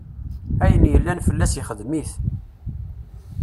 Ayen yellan fell-as ixdem-it.